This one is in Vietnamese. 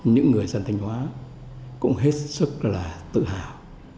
những người dân thanh hóa cũng hết sức là tự hào